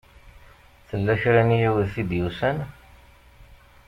Tella kra n yiwet i d-yusan?